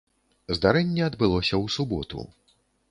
Здарэнне адбылося ў суботу.